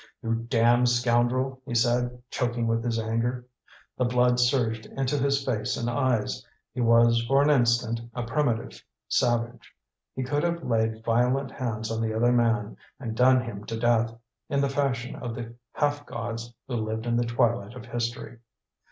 "You damned scoundrel!" he said, choking with his anger. The blood surged into his face and eyes; he was, for an instant, a primitive savage. He could have laid violent hands on the other man and done him to death, in the fashion of the half gods who lived in the twilight of history.